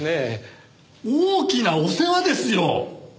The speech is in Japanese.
大きなお世話ですよ！